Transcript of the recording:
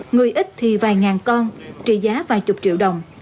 người ít thì vài ngàn con trị giá vài chục triệu đồng